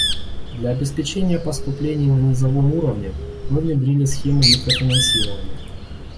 Для обеспечения поступлений на низовом уровне мы внедрили схемы микрофинансирования.